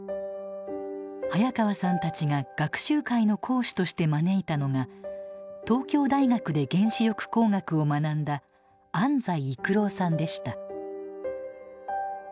早川さんたちが学習会の講師として招いたのが東京大学で原子力工学を学んだ安斎育郎さんでした。